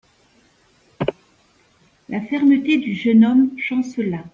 La fermeté du jeune homme chancela.